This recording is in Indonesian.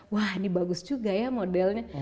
wah ini bagus juga ya modelnya